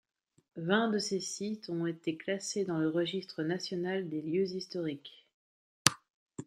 Vingt de ces sites ont été classés dans le Registre national des lieux historiques.